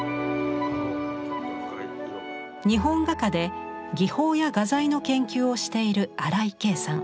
日本画家で技法や画材の研究をしている荒井経さん。